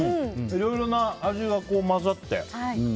いろいろな味が混ざって。